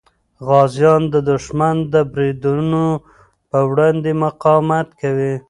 غازیان د دښمن د بریدونو په وړاندې مقاومت کوي.